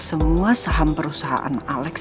semua saham perusahaan alex